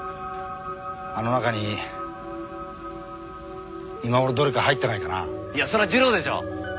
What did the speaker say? あの中に今ごろどれか入ってないかないやそれはジロでしょ！